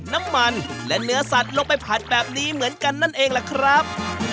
น้ำมันและเนื้อสัตว์ลงไปผัดแบบนี้เหมือนกันนั่นเองล่ะครับ